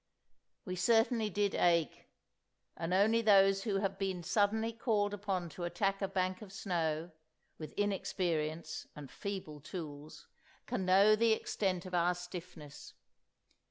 We certainly did ache. And only those who have been suddenly called upon to attack a bank of snow, with inexperience and feeble tools, can know the extent of our stiffness.